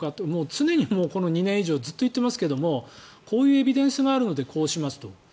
常にこの２年以上ずっと言ってますがこういうエビデンスがあるのでこうしますと。